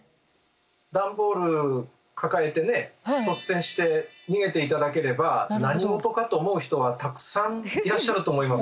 ダンボール抱えてね率先して逃げて頂ければ何事かと思う人はたくさんいらっしゃると思います。